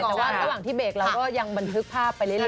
แต่ว่าระหว่างที่เบรกเราก็ยังบันทึกภาพไปเรื่อ